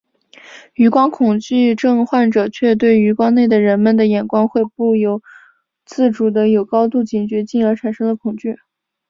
余光恐惧症患者却对余光内的人们的眼光会不自主的有高度警觉进而产生了恐惧。